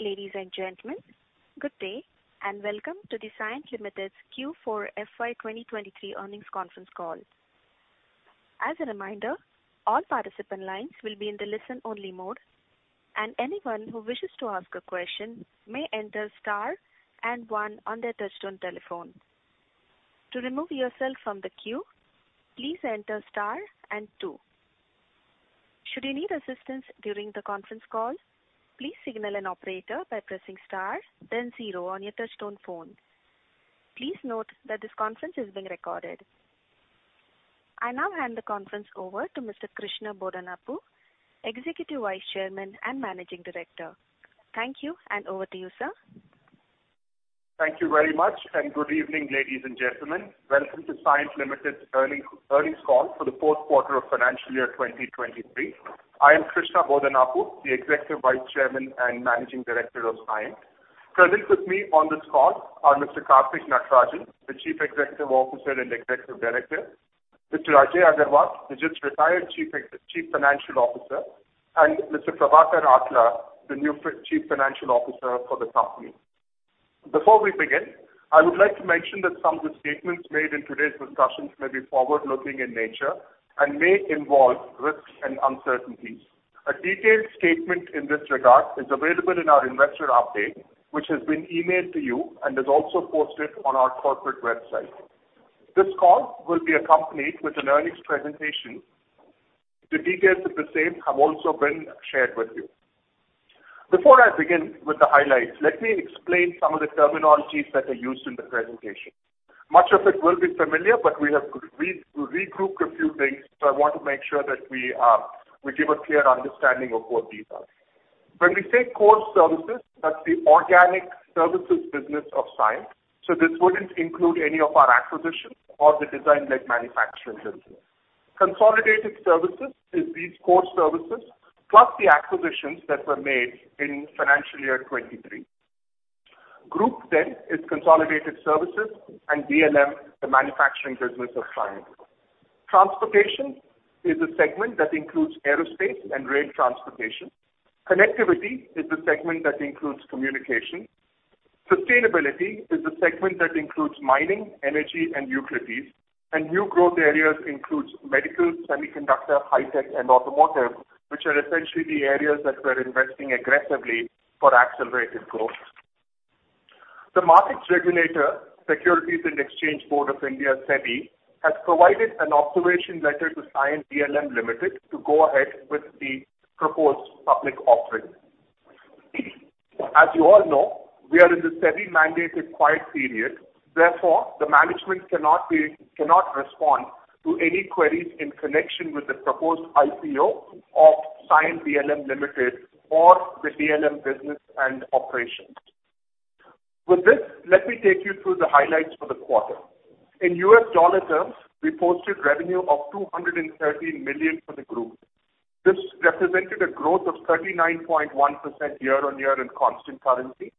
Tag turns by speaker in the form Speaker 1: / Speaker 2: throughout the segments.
Speaker 1: Ladies and gentlemen, good day, and welcome to the Cyient Limited's Q4 FY 2023 earnings conference call. As a reminder, all participant lines will be in the listen-only mode, and anyone who wishes to ask a question may enter star and one on their touchtone telephone. To remove yourself from the queue, please enter star and two. Should you need assistance during the conference call, please signal an operator by pressing star then zero on your touchtone phone. Please note that this conference is being recorded. I now hand the conference over to Mr. Krishna Bodanapu, Executive Vice Chairman and Managing Director. Thank you, and over to you, sir.
Speaker 2: Thank you very much. Good evening, ladies and gentlemen. Welcome to Cyient Limited's earnings call for the fourth quarter of financial year 2023. I am Krishna Bodanapu, the Executive Vice Chairman and Managing Director of Cyient. Present with me on this call are Mr. Karthikeyan Natarajan, the Chief Executive Officer and Executive Director, Mr. Ajay Aggarwal, the just retired Chief Financial Officer, and Mr. Prabhakar Atla, the new Chief Financial Officer for the company. Before we begin, I would like to mention that some of the statements made in today's discussions may be forward-looking in nature and may involve risks and uncertainties. A detailed statement in this regard is available in our investor update, which has been emailed to you and is also posted on our corporate website. This call will be accompanied with an earnings presentation. The details of the same have also been shared with you. Before I begin with the highlights, let me explain some of the terminologies that are used in the presentation. Much of it will be familiar, but we have re-grouped a few things, so I want to make sure that we give a clear understanding of what these are. When we say core services, that's the organic services business of Cyient, so this wouldn't include any of our acquisitions or the design-led manufacturing business. Consolidated services is these core services, plus the acquisitions that were made in financial year 23. Group is consolidated services and DLM, the manufacturing business of Cyient. Transportation is a segment that includes aerospace and rail transportation. Connectivity is a segment that includes communication. Sustainability is a segment that includes mining, energy, and utilities. New growth areas includes medical, semiconductor, high tech, and automotive, which are essentially the areas that we're investing aggressively for accelerated growth. The markets regulator, Securities and Exchange Board of India, SEBI, has provided an observation letter to Cyient DLM Limited to go ahead with the proposed public offering. As you all know, we are in the SEBI-mandated quiet period. Therefore, the management cannot respond to any queries in connection with the proposed IPO of Cyient DLM Limited or the DLM business and operations. With this, let me take you through the highlights for the quarter. In US dollar terms, we posted revenue of $213 million for the group. This represented a growth of 39.1% year-on-year in constant currency,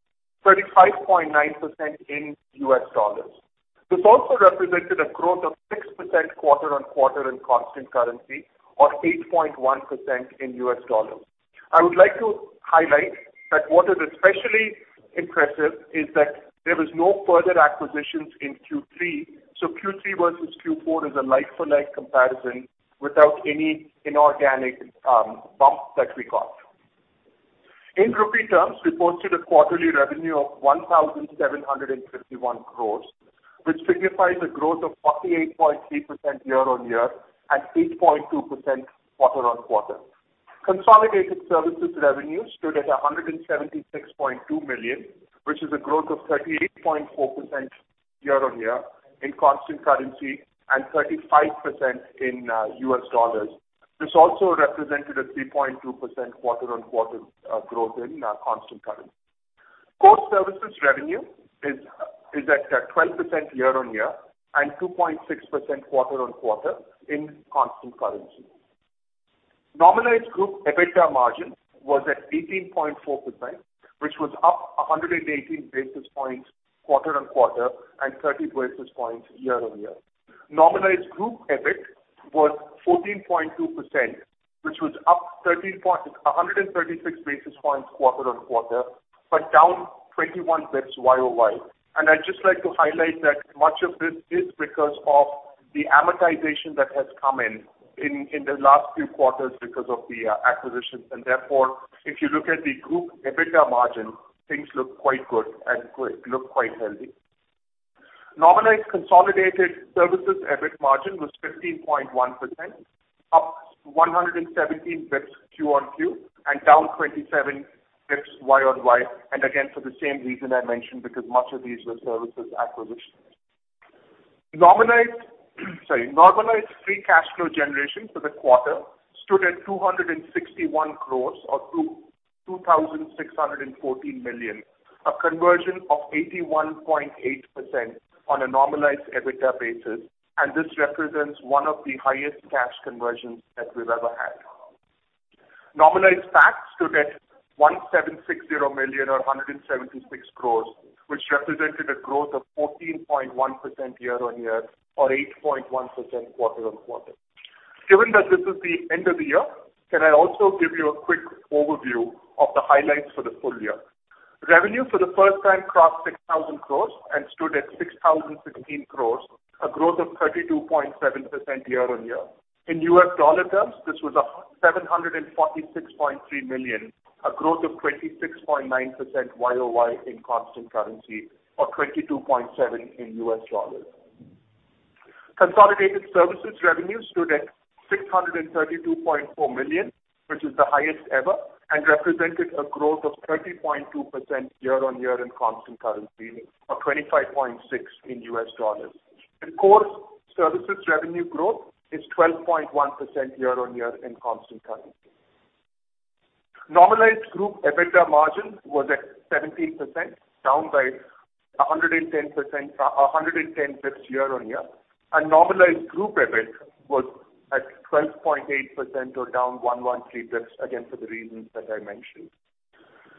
Speaker 2: 35.9% in U.S. dollars. This also represented a growth of 6% quarter-on-quarter in constant currency or 8.1% in $. I would like to highlight that what is especially impressive is that there was no further acquisitions in Q3. Q3 versus Q4 is a like-for-like comparison without any inorganic bump that we got. In INR terms, we posted a quarterly revenue of 1,751 crores, which signifies a growth of 48.3% year-on-year and 8.2% quarter-on-quarter. Consolidated services revenue stood at $176.2 million, which is a growth of 38.4% year-on-year in constant currency and 35% in $. This also represented a 3.2% quarter-on-quarter growth in constant currency. Core services revenue is at 12% year-over-year and 2.6% quarter-on-quarter in constant currency. Normalized group EBITDA margin was at 18.4%, which was up 118 basis points quarter-on-quarter and 30 basis points year-over-year. Normalized group EBIT was 14.2%, which was up 136 basis points quarter-on-quarter, down 21 basis points year-over-year. I'd just like to highlight that much of this is because of the amortization that has come in the last few quarters because of the acquisitions. Therefore, if you look at the group EBITDA margin, things look quite good and look quite healthy. Normalized consolidated services EBIT margin was 15.1%, up 117 basis points quarter-on-quarter and down 27 basis points year-over-year. Again, for the same reason I mentioned, because much of these were services acquisitions. Sorry. Normalized free cash flow generation for the quarter stood at 261 crores or 2,614 million, a conversion of 81.8% on a normalized EBITDA basis. This represents one of the highest cash conversions that we've ever had. Normalized PAT stood at 1,760 million or 176 crores, which represented a growth of 14.1% year-on-year or 8.1% quarter-on-quarter. Given that this is the end of the year, can I also give you a quick overview of the highlights for the full year? Revenue for the first time crossed 6,000 crores and stood at 6,016 crores, a growth of 32.7% year-on-year. In U.S. dollar terms, this was $746.3 million, a growth of 26.9% year-over-year in constant currency or 22.7% in U.S. dollars. Consolidated services revenue stood at $632.4 million, which is the highest ever and represented a growth of 30.2% year-over-year in constant currency or 25.6% in U.S. dollars. Core services revenue growth is 12.1% year-over-year in constant currency. Normalized group EBITDA margin was at 17%, down by 110 bps year-over-year. Normalized group EBIT was at 12.8% or down 113 bps, again, for the reasons that I mentioned.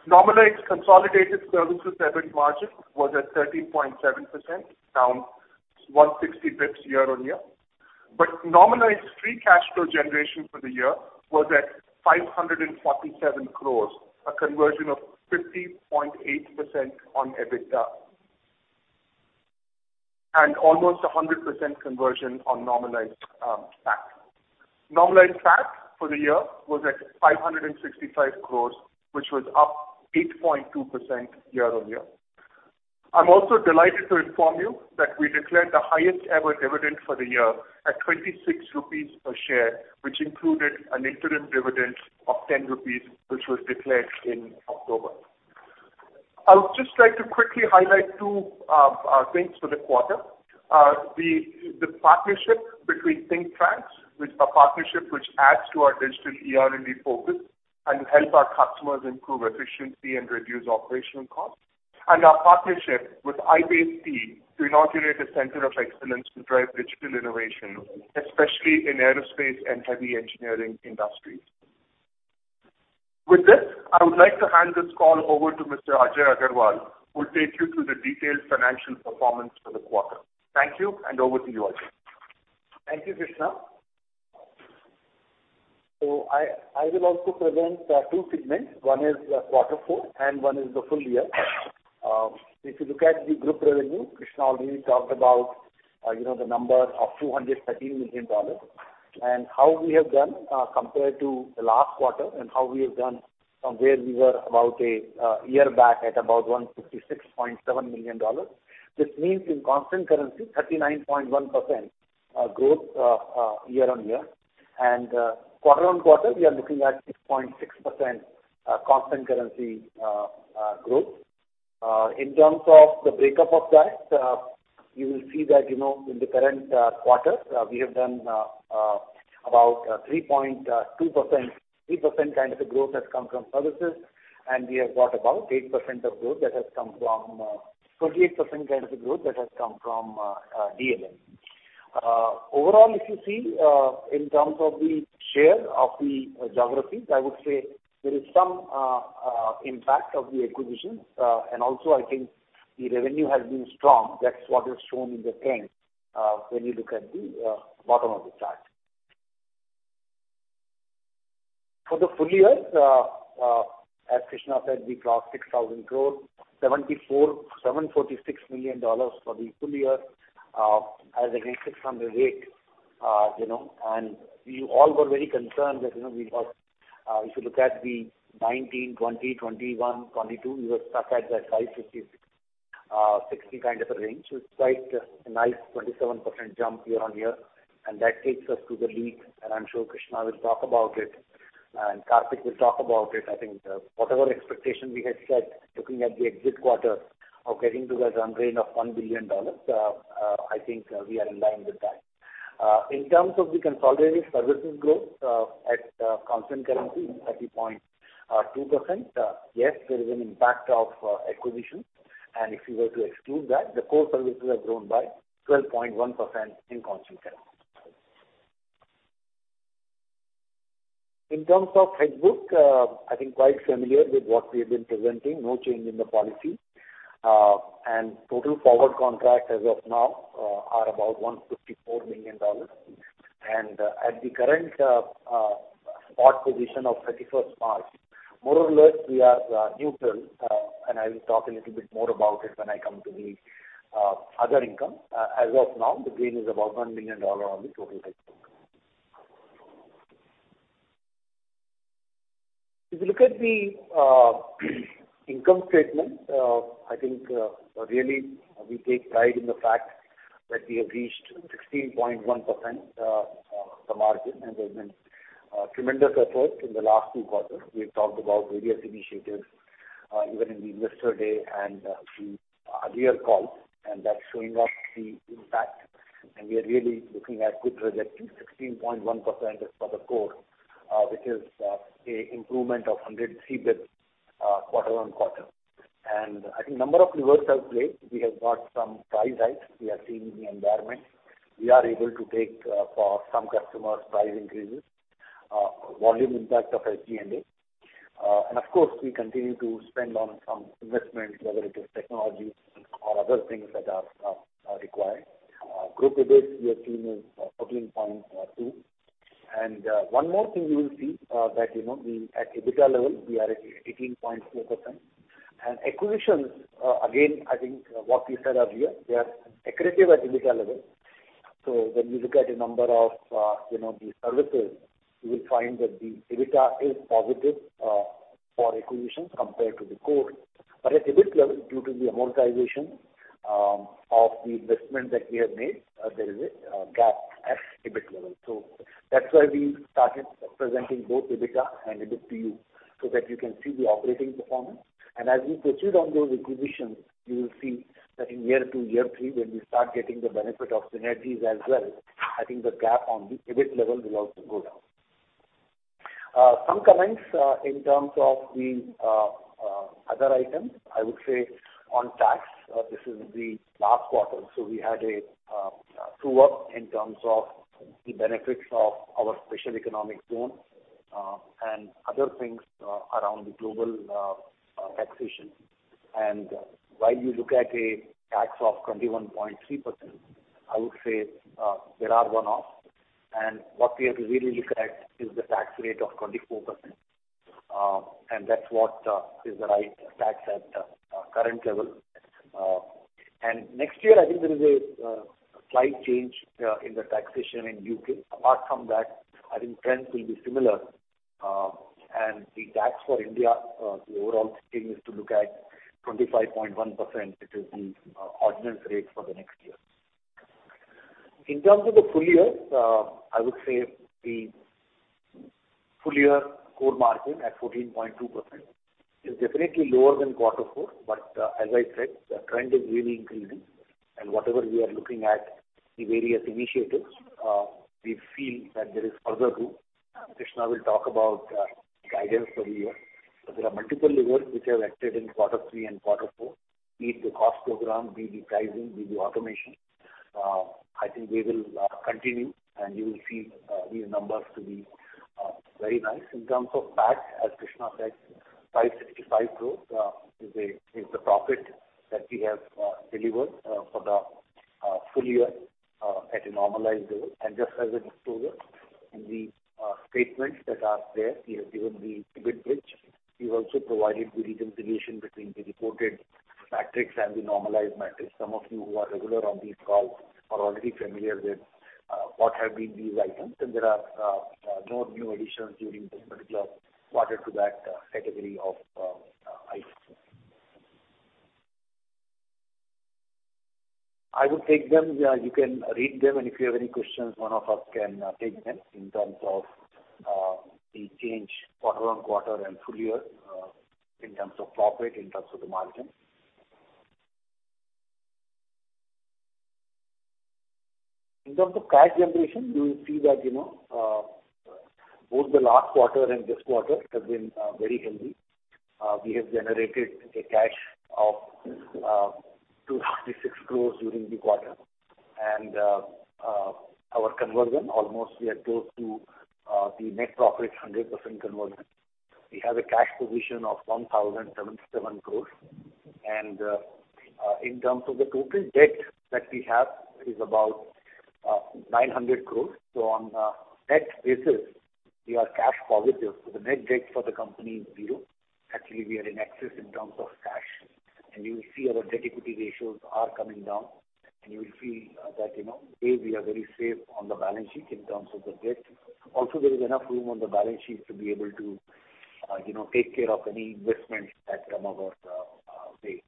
Speaker 2: Normalized consolidated services EBIT margin was at 13.7%, down 160 basis points year-on-year. Normalized free cash flow generation for the year was at 547 crores, a conversion of 50.8% on EBITDA. Almost 100% conversion on normalized PAT. Normalized PAT for the year was at 565 crores, which was up 8.2% year-on-year. I'm also delighted to inform you that we declared the highest ever dividend for the year at 26 rupees per share, which included an interim dividend of 10 rupees, which was declared in October. I would just like to quickly highlight two things for the quarter. The partnership between ThingTrax, which adds to our digital ER&D focus and help our customers improve efficiency and reduce operational costs. Our partnership with IGBC to inaugurate a center of excellence to drive digital innovation, especially in aerospace and heavy engineering industries. With this, I would like to hand this call over to Mr. Ajay Aggarwal, who will take you through the detailed financial performance for the quarter. Thank you, and over to you, Ajay.
Speaker 3: Thank you, Krishna. I will also present two segments. One is quarter four and one is the full year. If you look at the group revenue, Krishna already talked about, you know, the number of $213 million and how we have done compared to the last quarter and how we have done from where we were about a year back at about $156.7 million. This means in constant currency, 39.1% growth year-on-year. Quarter-on-quarter, we are looking at 6.6% constant currency growth. In terms of the breakup of that, you will see that, you know, in the current quarter, we have done about 3.2%. 3% kind of a growth has come from services, and we have got about 8% of growth that has come from 28% kind of a growth that has come from DLM. Overall, if you see, in terms of the share of the geographies, I would say there is some impact of the acquisitions. And also, I think the revenue has been strong. That's what is shown in the trend when you look at the bottom of the chart. For the full year, as Krishna said, we crossed 6,000 crores, $746 million for the full year, as against 608, you know. You all were very concerned that, you know, we got, if you look at the 2019, 2020, 2021, 2022, we were stuck at that $550, $60 kind of a range. It's quite a nice 27% jump year-on-year. That takes us to the lead, and I'm sure Krishna will talk about it and Karthik will talk about it. I think whatever expectation we had set looking at the exit quarter of getting to that run rate of $1 billion, I think, we are in line with that. In terms of the consolidated services growth, at constant currency, 30.2%, yes, there is an impact of acquisitions. If you were to exclude that, the core services have grown by 12.1% in constant currency. In terms of hedge book, I think quite familiar with what we have been presenting. No change in the policy. Total forward contract as of now are about $154 million. At the current spot position of 31st March, more or less we are neutral. I will talk a little bit more about it when I come to the other income. As of now, the gain is about $1 million on the total hedge book. If you look at the income statement, I think, really we take pride in the fact that we have reached 16.1% the margin. There's been tremendous effort in the last few quarters. We have talked about various initiatives, even in the Investor Day and the year call. That's showing off the impact. We are really looking at good trajectory, 16.1% just for the core, which is a improvement of 100 EBIT quarter-on-quarter. I think number of levers have played. We have got some price hikes we are seeing in the environment. We are able to take, for some customers, price increases. Volume impact of SG&A. Of course, we continue to spend on some investments, whether it is technology or other things that are required. Group EBIT we have seen is 14.2%. One more thing you will see, that, you know, we at EBITDA level we are at 18.4%. Acquisitions, again, I think what we said earlier, they are accretive at EBITDA level. When you look at the number of, you know, the services, you will find that the EBITDA is positive for acquisitions compared to the core. At EBIT level, due to the amortization of the investment that we have made, there is a gap at EBIT level. That's why we started presenting both EBITDA and EBIT to you so that you can see the operating performance. As we proceed on those acquisitions, you will see that in year two, year three, when we start getting the benefit of synergies as well, I think the gap on the EBIT level will also go down. Some comments in terms of the other items. I would say on tax, this is the last quarter, so we had a true-up in terms of the benefits of our special economic zone, and other things, around the global taxation. While you look at a tax of 21.3%, I would say, there are one-offs, and what we have to really look at is the tax rate of 24%. That's what is the right tax at current level. Next year, I think there is a slight change in the taxation in U.K. Apart from that, I think trends will be similar. The tax for India, the overall thinking is to look at 25.1%, which is the ordinance rate for the next year. In terms of the full year, I would say the full year core margin at 14.2% is definitely lower than quarter four. As I said, the trend is really increasing. Whatever we are looking at the various initiatives, we feel that there is further room. Krishna will talk about guidance for the year. There are multiple levers which have acted in quarter three and quarter four, be it the cost program, be it pricing, be it automation. I think we will continue, and you will see these numbers to be very nice. In terms of PAT, as Krishna said, 565 crores is the profit that we have delivered for the full year at a normalized level. Just as a disclosure, in the statements that are there, we have given the EBIT bridge. We've also provided the reconciliation between the reported matrix and the normalized matrix. Some of you who are regular on these calls are already familiar with what have been these items. There are no new additions during this particular quarter to that category of items. I will take them. Yeah, you can read them, and if you have any questions, one of us can take them in terms of the change quarter-on-quarter and full year, in terms of profit, in terms of the margin. In terms of cash generation, you will see that, you know, both the last quarter and this quarter has been very healthy. We have generated a cash of 266 crores during the quarter. Our conversion almost we are close to the net profit is 100% conversion. We have a cash position of 1,077 crores. In terms of the total debt that we have is about 900 crores. So on a debt basis we are cash positive. So the net debt for the company is 0. Actually we are in excess in terms of cash. You will see our debt equity ratios are coming down. You will see that, you know, here we are very safe on the balance sheet in terms of the debt. Also there is enough room on the balance sheet to be able to, you know, take care of any investments that come our way.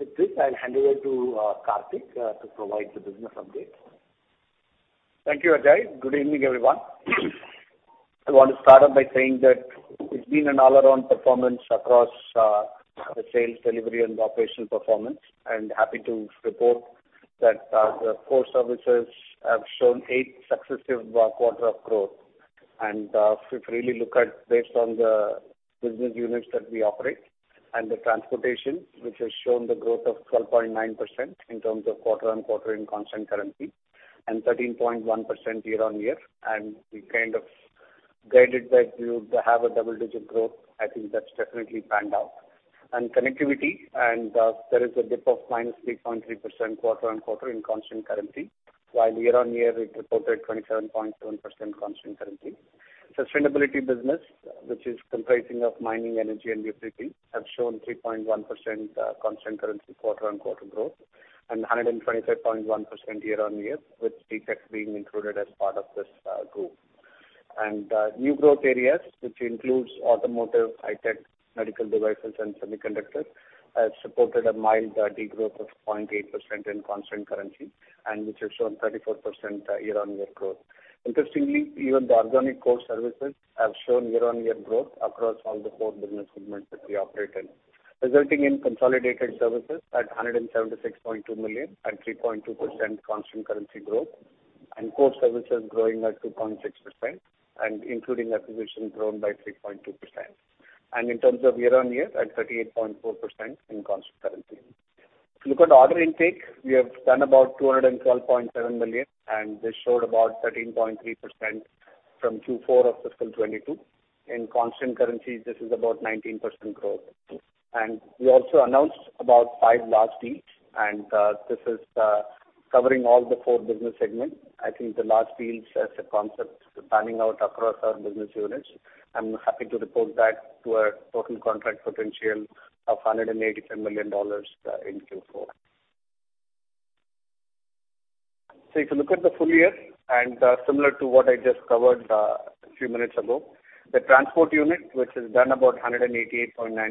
Speaker 3: With this, I'll hand over to Karthik to provide the business update.
Speaker 4: Thank you, Ajay. Good evening, everyone. I want to start off by saying that it's been an all-around performance across the sales delivery and operational performance. I'm happy to report that the core services have shown eight successive quarter of growth. If we really look at based on the business units that we operate and the transportation, which has shown the growth of 12.9% in terms of quarter-on-quarter in constant currency and 13.1% year-on-year, and we kind of guided that we would have a double-digit growth. I think that's definitely panned out. Connectivity and, there is a dip of -3.3% quarter-on-quarter in constant currency, while year-on-year it reported 27.1% constant currency. Sustainability business, which is comprising of mining, energy and utility, have shown 3.1% constant currency quarter-on-quarter growth and 125.1% year-on-year, with Citec being included as part of this group. New growth areas, which includes automotive, high tech, medical devices and semiconductors, has supported a mild decline of 0.8% in constant currency and which has shown 34% year-on-year growth. Interestingly, even the organic core services have shown year-over-year growth across all the four business segments that we operate in, resulting in consolidated services at $176.2 million at 3.2% constant currency growth and core services growing at 2.6% and including acquisition grown by 3.2%. In terms of year-over-year at 38.4% in constant currency. If you look at order intake, we have done about $212.7 million, and this showed about 13.3% from Q4 of fiscal 2022. In constant currency, this is about 19% growth. We also announced about five large deals, and this is covering all the four business segments. I think the large deals as a concept spanning out across our business units. I'm happy to report that to a total contract potential of $187 million in Q4. If you look at the full year, and similar to what I just covered a few minutes ago, the transport unit, which has done about $188.9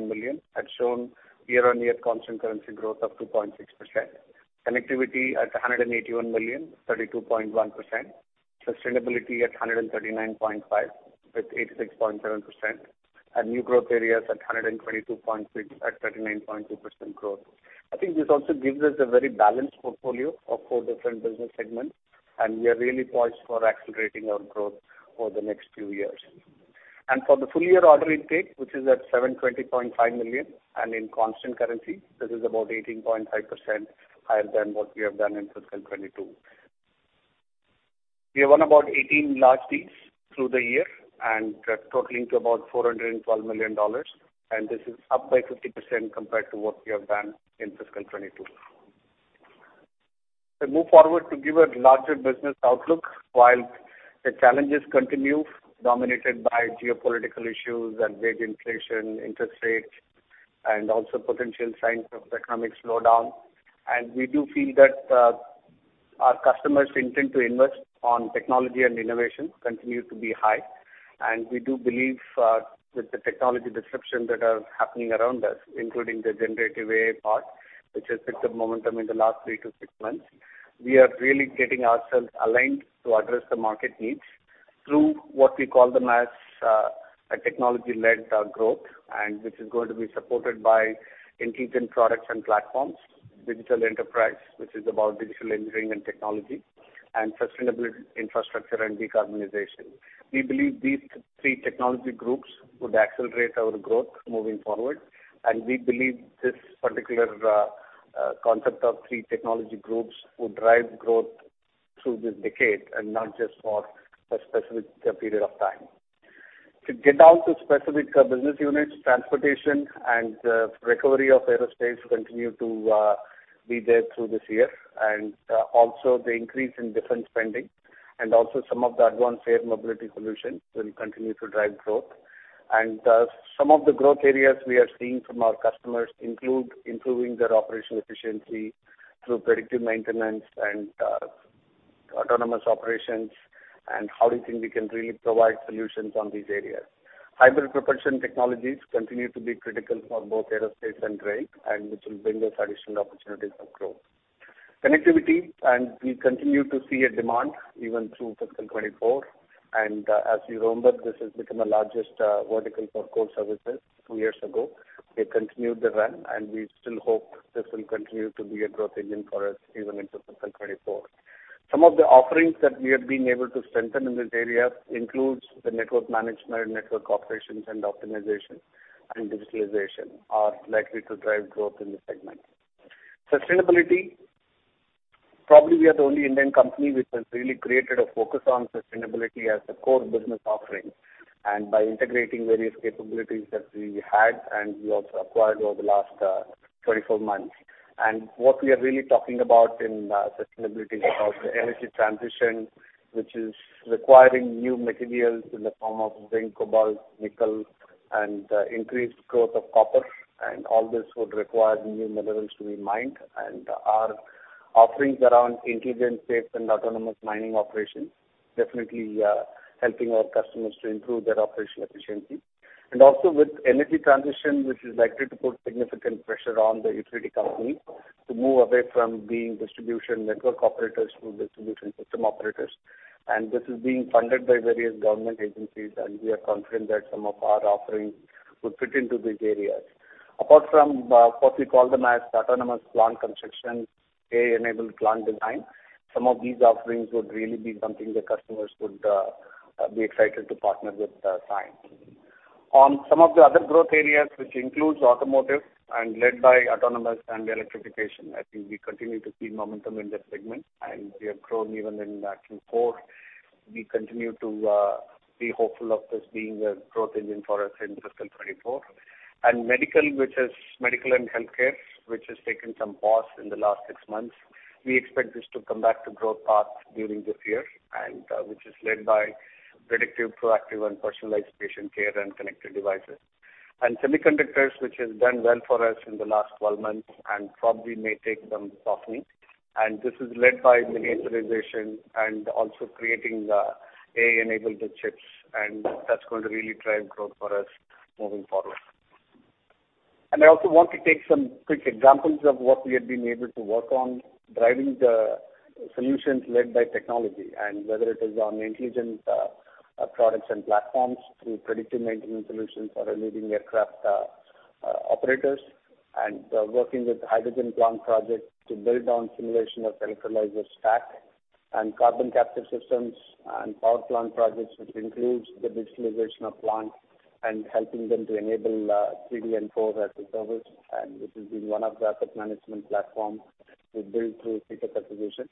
Speaker 4: million, had shown year-on-year constant currency growth of 2.6%. Connectivity at $181 million, 32.1%. Sustainability at $139.5, with 86.7%. New growth areas at $122.6 at 39.2% growth. I think this also gives us a very balanced portfolio of four different business segments, and we are really poised for accelerating our growth over the next few years. For the full year order intake, which is at $720.5 million, and in constant currency, this is about 18.5% higher than what we have done in fiscal 2022. We have won about 18 large deals through the year totaling about $412 million, and this is up by 50% compared to what we have done in fiscal 2022. To move forward to give a larger business outlook, while the challenges continue, dominated by geopolitical issues, wage inflation, interest rates, and also potential signs of economic slowdown. We do feel that our customers' intent to invest on technology and innovation continue to be high. We do believe, with the technology disruption that are happening around us, including the generative AI part, which has picked up momentum in the last 3-6 months. We are really getting ourselves aligned to address the market needs through what we call them as a technology-led growth, and which is going to be supported by intelligent products and platforms, digital enterprise, which is about digital engineering and technology, and sustainable infrastructure and decarbonization. We believe these three technology groups would accelerate our growth moving forward, and we believe this particular concept of three technology groups would drive growth through this decade and not just for a specific period of time. To get down to specific business units, transportation and recovery of aerospace continue to be there through this year. Also the increase in defense spending and also some of the advanced air mobility solutions will continue to drive growth. Some of the growth areas we are seeing from our customers include improving their operational efficiency through predictive maintenance and autonomous operations, and how we think we can really provide solutions on these areas. Hybrid propulsion technologies continue to be critical for both Aerospace and Rail and which will bring us additional opportunities for growth. Connectivity, we continue to see a demand even through fiscal 2024. As you remember, this has become the largest vertical for core services two years ago. We continued the run, and we still hope this will continue to be a growth engine for us even into fiscal 2024. Some of the offerings that we have been able to strengthen in this area includes the network management, network operations and optimization, and digitalization are likely to drive growth in this segment. Sustainability. Probably we are the only Indian company which has really created a focus on sustainability as a core business offering, and by integrating various capabilities that we had and we also acquired over the last 24 months. What we are really talking about in sustainability is about the energy transition, which is requiring new materials in the form of zinc, cobalt, nickel, and increased growth of copper. All this would require new minerals to be mined. Our offerings around intelligent, safe and autonomous mining operations definitely are helping our customers to improve their operational efficiency. Also with energy transition, which is likely to put significant pressure on the utility company to move away from being distribution network operators to distribution system operators. This is being funded by various government agencies, and we are confident that some of our offerings would fit into these areas. Apart from what we call them as autonomous plant construction, AI-enabled plant design, some of these offerings would really be something the customers would be excited to partner with Cyient. On some of the other growth areas, which includes automotive and led by autonomous and electrification, I think we continue to see momentum in that segment, and we have grown even in Q4. We continue to be hopeful of this being a growth engine for us in fiscal 2024. Medical, which is medical and healthcare, which has taken some pause in the last six months. We expect this to come back to growth path during this year and which is led by predictive, proactive and personalized patient care and connected devices. Semiconductors, which has done well for us in the last 12 months and probably may take some softening. This is led by miniaturization and also creating AI-enabled chips, and that's going to really drive growth for us moving forward. I also want to take some quick examples of what we have been able to work on driving the solutions led by technology, and whether it is on intelligent products and platforms through predictive maintenance solutions for our leading aircraft operators and working with hydrogen plant projects to build on simulation of electrolyzer stack. Carbon capture systems and power plant projects, which includes the digitalization of plants and helping them to enable 3D and 4D as a service, and this has been one of the asset management platforms we've built through strategic acquisition.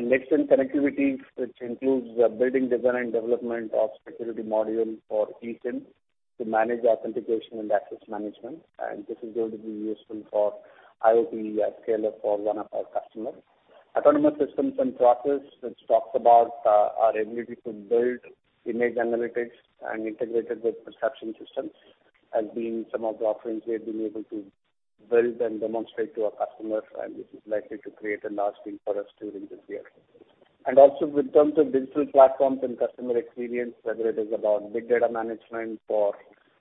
Speaker 4: Next-gen connectivity, which includes building design and development of security module for eSIM to manage authentication and access management. This is going to be useful for IoT at scale for one of our customers. Autonomous systems and process, which talks about our ability to build image analytics and integrated with perception systems, has been some of the offerings we have been able to build and demonstrate to our customers. This is likely to create a large win for us during this year. Also with terms of digital platforms and customer experience, whether it is about big data management for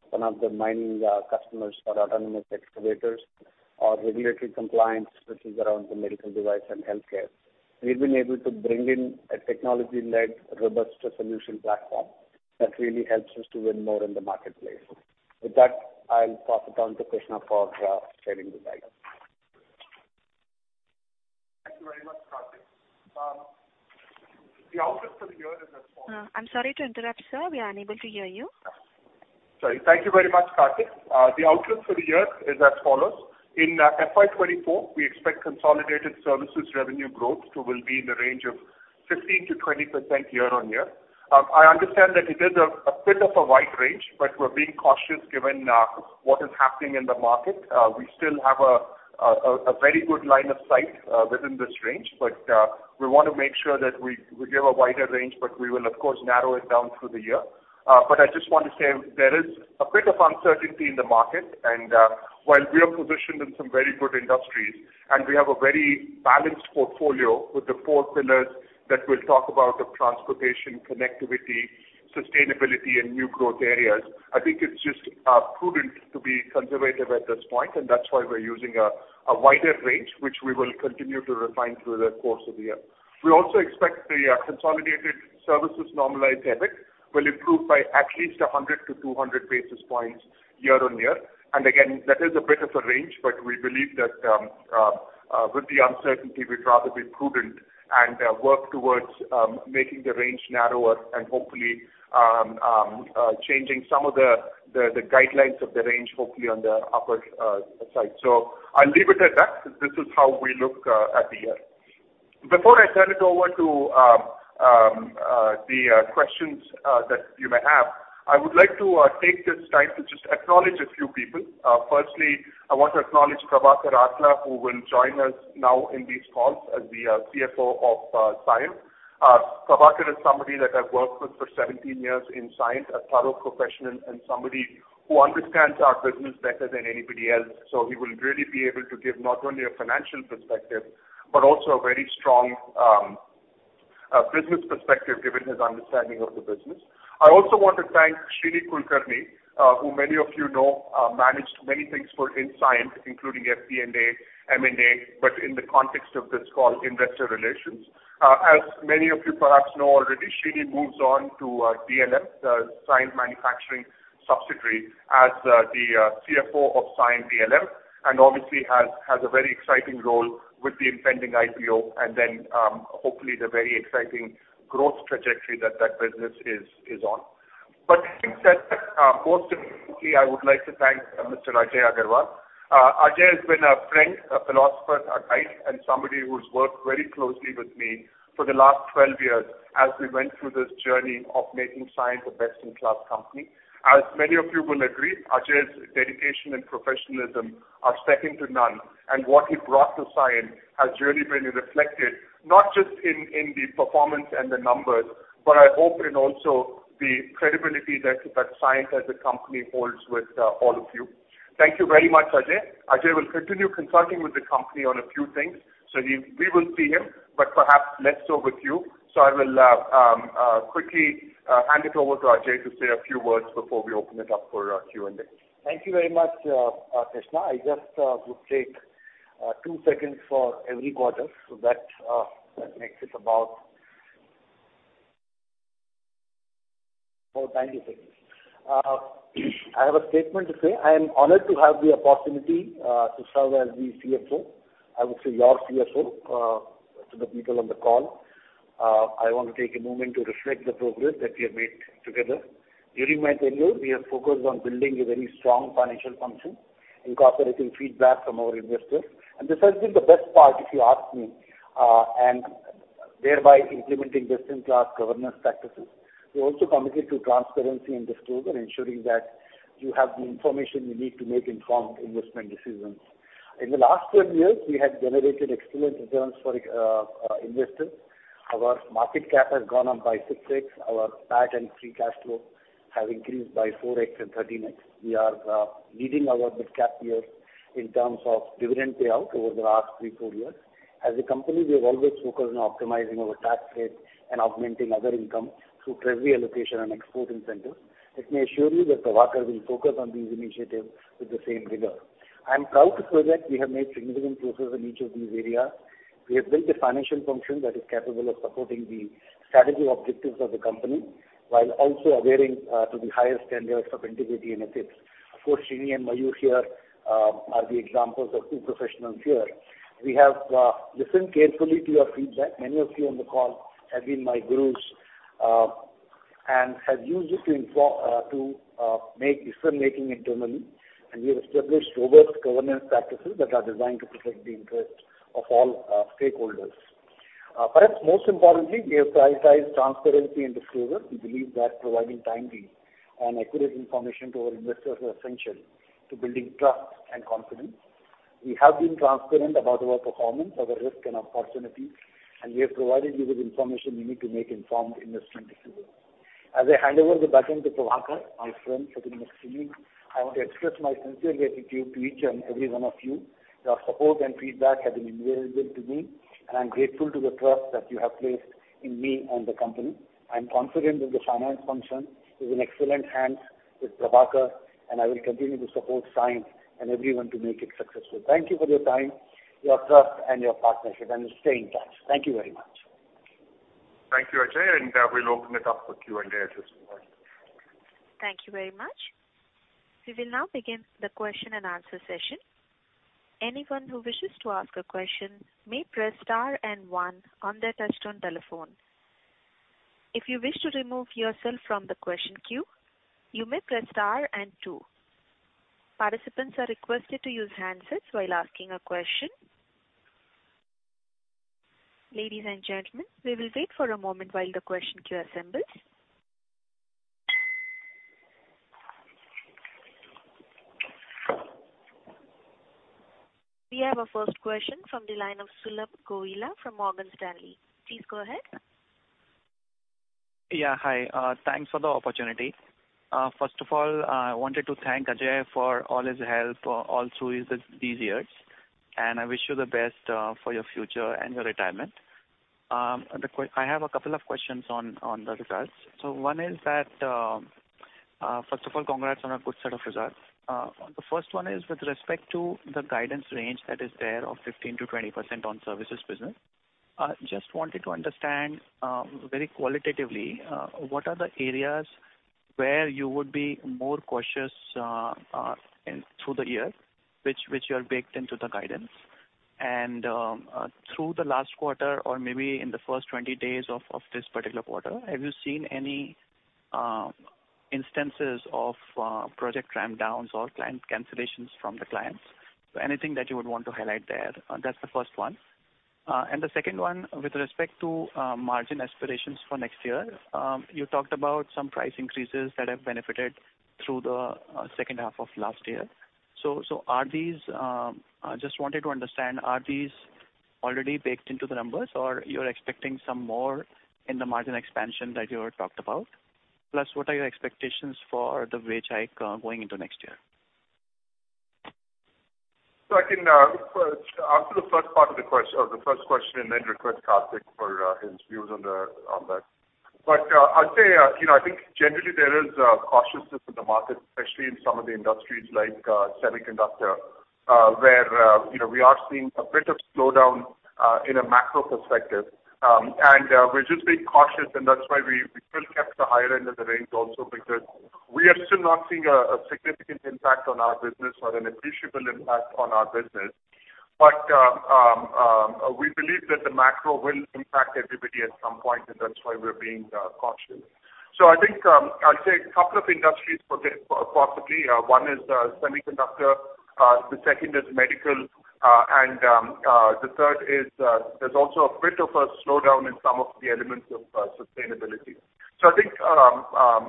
Speaker 4: one of the mining customers for autonomous excavators or regulatory compliance, which is around the medical device and healthcare. We've been able to bring in a technology-led, robust solution platform that really helps us to win more in the marketplace. With that, I'll pass it on to Krishna for sharing the slide.
Speaker 2: Thank you very much, Karthik. The outlook for the year is as follows.
Speaker 1: I'm sorry to interrupt, sir. We are unable to hear you.
Speaker 2: Sorry. Thank you very much, Karthik. The outlook for the year is as follows. In FY 2024, we expect consolidated services revenue growth will be in the range of 15%-20% year-over-year. I understand that it is a bit of a wide range, but we're being cautious given what is happening in the market. We still have a very good line of sight within this range, but we wanna make sure that we give a wider range, but we will of course narrow it down through the year. I just want to say there is a bit of uncertainty in the market, and while we are positioned in some very good industries, and we have a very balanced portfolio with the four pillars that we'll talk about of transportation, connectivity, sustainability, and new growth areas, I think it's just prudent to be conservative at this point, and that's why we're using a wider range, which we will continue to refine through the course of the year. We also expect the consolidated services normalized EBIT will improve by at least 100-200 basis points year-on-year. Again, that is a bit of a range, but we believe that with the uncertainty, we'd rather be prudent and work towards making the range narrower and hopefully changing some of the guidelines of the range hopefully on the upper side. I'll leave it at that. This is how we look at the year. Before I turn it over to the questions that you may have, I would like to take this time to just acknowledge a few people. Firstly, I want to acknowledge Prabhakar Atla, who will join us now in these calls as the CFO of Cyient. Prabhakar is somebody that I've worked with for 17 years in Cyient, a thorough professional and somebody who understands our business better than anybody else. He will really be able to give not only a financial perspective, but also a very strong business perspective given his understanding of the business. I also want to thank Srini Kulkarni, who many of you know, managed many things for in Cyient, including FDA, M&A, but in the context of this call, investor relations. As many of you perhaps know already, Srini moves on to Cyient DLM, the Cyient manufacturing subsidiary, as the CFO of Cyient DLM, and obviously has a very exciting role with the impending IPO and then hopefully the very exciting growth trajectory that business is on. Having said that, most importantly, I would like to thank Mr. Ajay Agarwal. Ajay has been a friend, a philosopher, a guide, and somebody who's worked very closely with me for the last 12 years as we went through this journey of making Cyient a best-in-class company. As many of you will agree, Ajay's dedication and professionalism are second to none. What he brought to Cyient has really been reflected, not just in the performance and the numbers, but I hope in also the credibility that Cyient as a company holds with all of you. Thank you very much, Ajay. Ajay will continue consulting with the company on a few things. We will see him, but perhaps less so with you. I will quickly hand it over to Ajay to say a few words before we open it up for Q&A.
Speaker 3: Thank you very much, Krishna. I just would take two seconds for every quarter, so that makes it 90 seconds. I have a statement to say. I am honored to have the opportunity to serve as the CFO. I would say your CFO to the people on the call. I want to take a moment to reflect the progress that we have made together. During my tenure, we have focused on building a very strong financial function, incorporating feedback from our investors. This has been the best part if you ask me, and thereby implementing best-in-class governance practices. We're also committed to transparency and disclosure, ensuring that you have the information you need to make informed investment decisions. In the last 12 years, we have generated excellent returns for investors. Our market cap has gone up by 6x. Our PAT and free cash flow have increased by 4x and 13x. We are leading our midcap peers in terms of dividend payout over the last three, four years. As a company, we have always focused on optimizing our tax rate and augmenting other income through treasury allocation and export incentives. Let me assure you that Prabhakar will focus on these initiatives with the same rigor. I am proud to say that we have made significant progress in each of these areas. We have built a financial function that is capable of supporting the strategy objectives of the company. While also adhering to the highest standards of integrity and ethics. Of course, Srini and Mayur here are the examples of two professionals here. We have listened carefully to your feedback. Many of you on the call have been my gurus, and have used it to make decision-making internally, and we have established robust governance practices that are designed to protect the interests of all our stakeholders. Perhaps most importantly, we have prioritized transparency and disclosure. We believe that providing timely and accurate information to our investors is essential to building trust and confidence. We have been transparent about our performance, our risk and opportunities, and we have provided you with information you need to make informed investment decisions. As I hand over the baton to Prabhakar, my friend sitting next to me, I want to express my sincere gratitude to each and every one of you. Your support and feedback has been invaluable to me, and I'm grateful to the trust that you have placed in me and the company. I'm confident that the finance function is in excellent hands with Prabhakar, and I will continue to support Cyient and everyone to make it successful. Thank you for your time, your trust and your partnership, and we'll stay in touch. Thank you very much.
Speaker 2: Thank you, Ajay, and, we'll open it up for Q&A at this point.
Speaker 1: Thank you very much. We will now begin the question-and-answer session. Anyone who wishes to ask a question may press star and one on their touchtone telephone. If you wish to remove yourself from the question queue, you may press star and two. Participants are requested to use handsets while asking a question. Ladies and gentlemen, we will wait for a moment while the question queue assembles. We have our first question from the line of Sulabh Govila from Morgan Stanley. Please go ahead.
Speaker 5: Yeah. Hi. Thanks for the opportunity. First of all, I wanted to thank Ajay for all his help, all through his these years, and I wish you the best for your future and your retirement. I have a couple of questions on the results. One is that, first of all, congrats on a good set of results. The first one is with respect to the guidance range that is there of 15%-20% on services business. Just wanted to understand, very qualitatively, what are the areas where you would be more cautious in through the year, which you have baked into the guidance. Through the last quarter or maybe in the first 20 days of this particular quarter, have you seen any instances of project ramp downs or client cancellations from the clients? Anything that you would want to highlight there. That's the first one. The second one, with respect to margin aspirations for next year, you talked about some price increases that have benefited through the second half of last year. Are these, just wanted to understand, are these already baked into the numbers or you're expecting some more in the margin expansion that you had talked about? Plus, what are your expectations for the wage hike going into next year?
Speaker 2: I can answer the first part of the question and then request Karthik for his views on that. I'd say, you know, I think generally there is cautiousness in the market, especially in some of the industries like semiconductor, where, you know, we are seeing a bit of slowdown in a macro perspective. We're just being cautious, and that's why we still kept the higher end of the range also because we are still not seeing a significant impact on our business or an appreciable impact on our business. But we believe that the macro will impact everybody at some point, and that's why we're being cautious. I think I'll say a couple of industries for this possibly. One is semiconductor, the second is medical, and the third is there's also a bit of a slowdown in some of the elements of sustainability. I think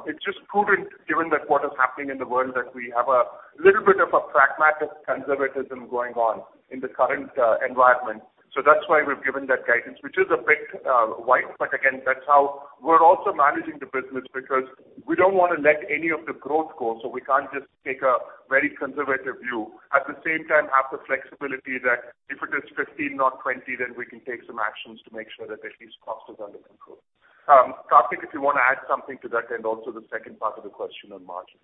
Speaker 2: it's just prudent given that what is happening in the world that we have a little bit of a pragmatic conservatism going on in the current environment. That's why we've given that guidance, which is a bit wide. Again, that's how we're also managing the business because we don't wanna let any of the growth go, so we can't just take a very conservative view. At the same time, have the flexibility that if it is 15, not 20, then we can take some actions to make sure that at least cost is under control. Karthik, if you wanna add something to that and also the second part of the question on margins.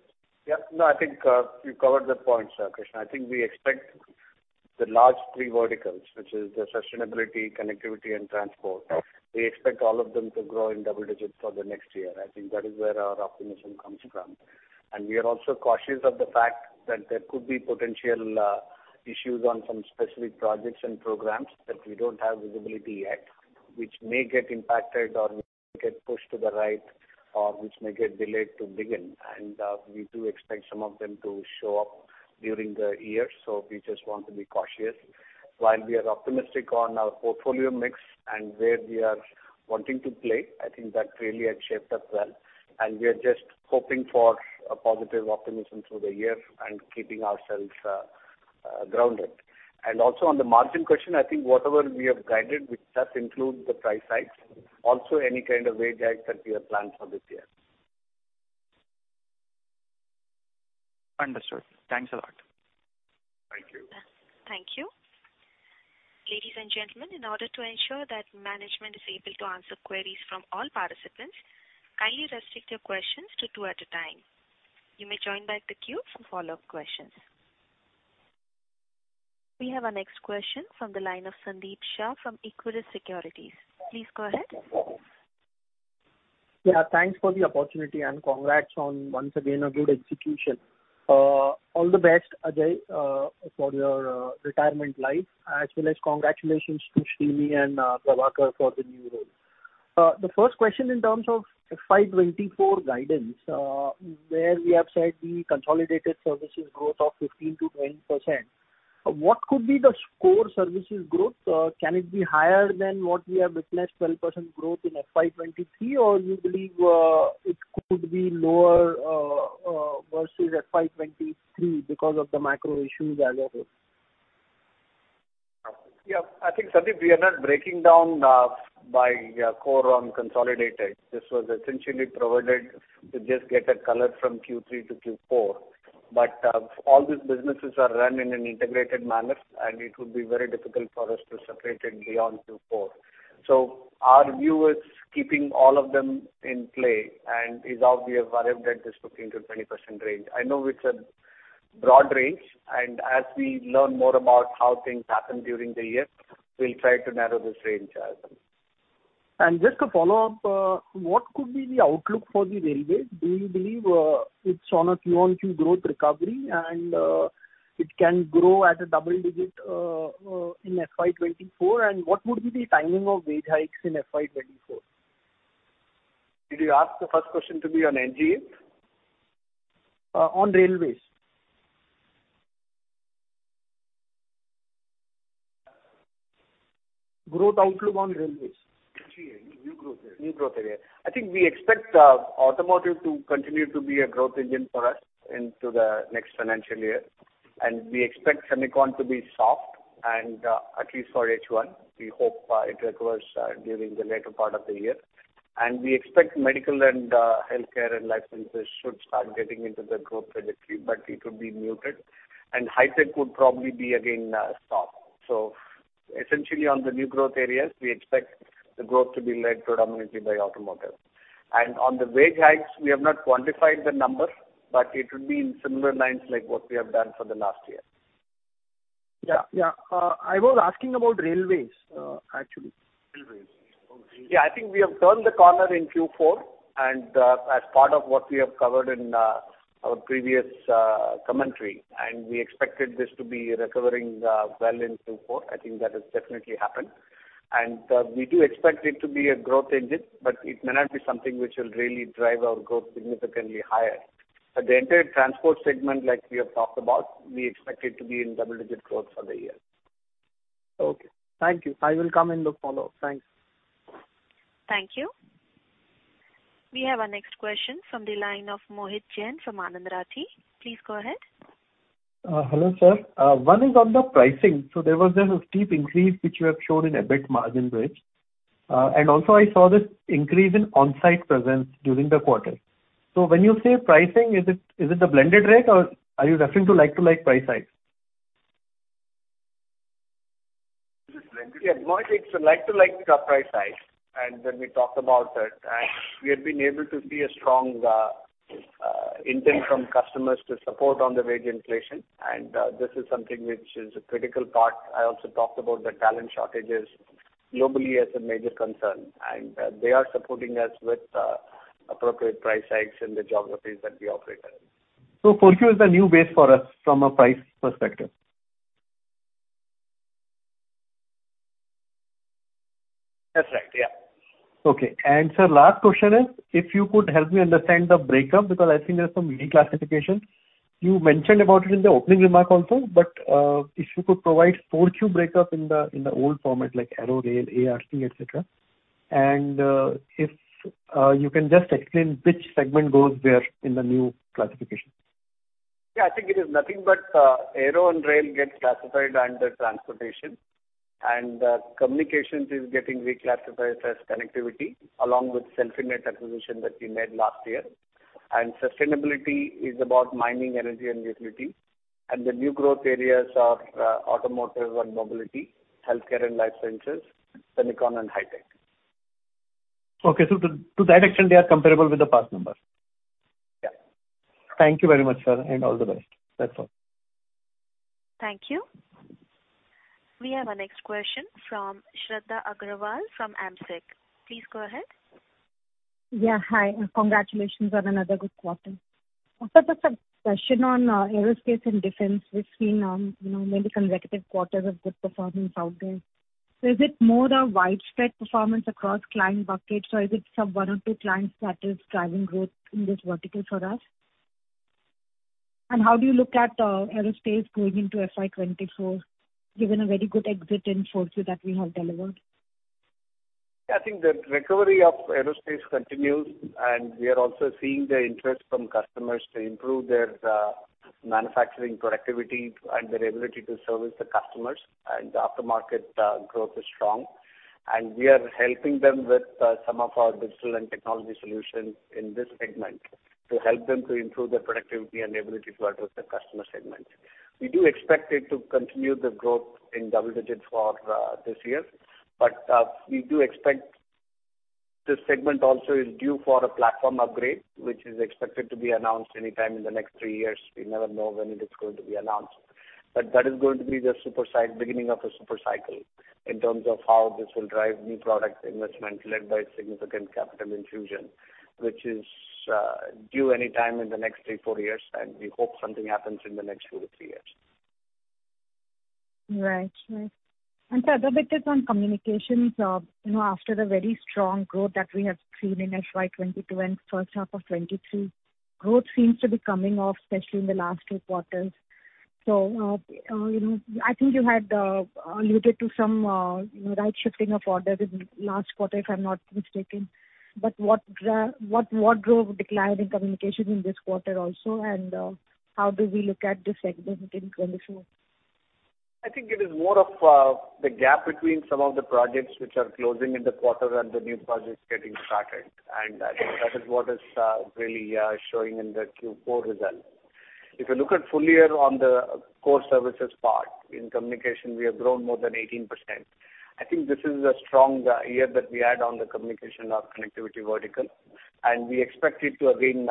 Speaker 4: No, I think you covered the points, Krishna. I think we expect the large three verticals, which is the sustainability, connectivity and transport. We expect all of them to grow in double digits for the next year. I think that is where our optimism comes from. We are also cautious of the fact that there could be potential issues on some specific projects and programs that we don't have visibility yet, which may get impacted or get pushed to the right or which may get delayed to begin. We do expect some of them to show up during the year. We just want to be cautious. While we are optimistic on our portfolio mix and where we are wanting to play, I think that really has shaped up well, and we are just hoping for a positive optimism through the year and keeping ourselves grounded. Also on the margin question, I think whatever we have guided, which does include the price hikes, also any kind of wage hike that we have planned for this year.
Speaker 5: Understood. Thanks a lot.
Speaker 2: Thank you.
Speaker 1: Thank you. Ladies and gentlemen, in order to ensure that management is able to answer queries from all participants, kindly restrict your questions to two at a time. You may join back the queue for follow-up questions. We have our next question from the line of Sandeep Shah from Equirus Securities. Please go ahead.
Speaker 6: Thanks for the opportunity, and congrats on once again a good execution. All the best, Ajay, for your retirement life, as well as congratulations to Srini and Prabhakar for the new role. The first question in terms of FY 2024 guidance, where we have said the consolidated services growth of 15%-20%, what could be the core services growth? Can it be higher than what we have witnessed, 12% growth in FY 2023, you believe it could be lower versus FY 2023 because of the macro issues as a whole?
Speaker 4: Yeah. I think, Sandeep, we are not breaking down by core on consolidated. This was essentially provided to just get a color from Q3 to Q4. All these businesses are run in an integrated manner, and it would be very difficult for us to separate it beyond Q4. Our view is keeping all of them in play. Is how we have arrived at this 15%-20% range. I know it's a broad range, and as we learn more about how things happen during the year, we'll try to narrow this range as well.
Speaker 6: Just a follow-up, what could be the outlook for the railway? Do you believe it's on a Q-on-Q growth recovery and it can grow at a double-digit in FY 2024? What would be the timing of wage hikes in FY 2024?
Speaker 4: Did you ask the first question to be on NGN?
Speaker 6: On railways. Growth outlook on railways.
Speaker 4: New growth area.
Speaker 6: New growth area.
Speaker 4: I think we expect automotive to continue to be a growth engine for us into the next financial year. We expect semicon to be soft, at least for H1. We hope it recovers during the later part of the year. We expect medical and healthcare and life sciences should start getting into the growth trajectory, but it would be muted. High tech would probably be again soft. Essentially, on the new growth areas, we expect the growth to be led predominantly by automotive. On the wage hikes, we have not quantified the number, but it would be in similar lines like what we have done for the last year.
Speaker 6: Yeah. Yeah. I was asking about railways, actually.
Speaker 4: Railways. Yeah, I think we have turned the corner in Q4. As part of what we have covered in our previous commentary, we expected this to be recovering well in Q4. I think that has definitely happened. We do expect it to be a growth engine, but it may not be something which will really drive our growth significantly higher. The entire transport segment, like we have talked about, we expect it to be in double-digit growth for the year.
Speaker 6: Okay, thank you. I will come in the follow-up. Thanks.
Speaker 1: Thank you. We have our next question from the line of Mohit Jain from Anand Rathi. Please go ahead.
Speaker 7: Hello, sir. One is on the pricing. There was a steep increase which you have shown in EBIT margin growth. And also, I saw this increase in on-site presence during the quarter. When you say pricing, is it the blended rate or are you referring to like-to-like price hikes?
Speaker 4: It's a like-to-like price hike. When we talk about that, we have been able to see a strong intent from customers to support on the wage inflation. This is something which is a critical part. I also talked about the talent shortages globally as a major concern. They are supporting us with appropriate price hikes in the geographies that we operate in.
Speaker 7: 4Q is the new base for us from a price perspective.
Speaker 4: That's right. Yeah.
Speaker 7: Okay. Sir, last question is if you could help me understand the breakup because I've seen there's some reclassification. You mentioned about it in the opening remark also, but if you could provide 4Q breakup in the, in the old format like Aero, Rail, A&D, et cetera. If you can just explain which segment goes where in the new classification.
Speaker 4: Yeah, I think it is nothing but Aero and Rail get classified under Transportation. Communications is getting reclassified as Connectivity along with Celfinet acquisition that we made last year. Sustainability is about mining energy and utility. The new growth areas are Automotive and Mobility, Healthcare and Life Sciences, Semiconductor and High Tech.
Speaker 7: Okay. To that extent they are comparable with the past numbers.
Speaker 4: Yeah.
Speaker 7: Thank you very much, sir, and all the best. That's all.
Speaker 1: Thank you. We have our next question from Shradha Agarwal from AMSEC. Please go ahead.
Speaker 8: Hi, and congratulations on another good quarter. Also just a question on Aerospace and Defense. We've seen, you know, many consecutive quarters of good performance out there. Is it more a widespread performance across client buckets, or is it some one or two clients that is driving growth in this vertical for us? How do you look at Aerospace going into FY 2024, given a very good exit in 4Q that we have delivered?
Speaker 4: Yeah, I think the recovery of aerospace continues, and we are also seeing the interest from customers to improve their manufacturing productivity and their ability to service the customers. The aftermarket growth is strong. We are helping them with some of our digital and technology solutions in this segment to help them to improve their productivity and ability to address the customer segment. We do expect it to continue the growth in double-digit for this year. This segment also is due for a platform upgrade, which is expected to be announced anytime in the next three years. We never know when it is going to be announced, but that is going to be the super beginning of a super cycle in terms of how this will drive new product investment led by significant capital infusion, which is due anytime in the next three, four years, and we hope something happens in the next two to three years.
Speaker 8: Right. Right. The other bit is on communications. you know, after the very strong growth that we have seen in FY 2022 and first half of 2023, growth seems to be coming off, especially in the last two quarters. you know, I think you had alluded to some, you know, right shifting of orders in last quarter, if I'm not mistaken. What drove decline in communication in this quarter also and how do we look at this segment in 2024?
Speaker 4: I think it is more of the gap between some of the projects which are closing in the quarter and the new projects getting started. I think that is what is really showing in the Q4 results. If you look at full year on the core services part, in communication we have grown more than 18%. I think this is a strong year that we had on the communication or connectivity vertical, and we expect it to again